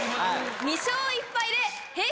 ２勝１敗で。